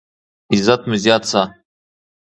عزت مو زیات شه.